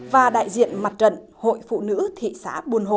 và đại diện mặt trận hội phụ nữ thị xã buôn hồ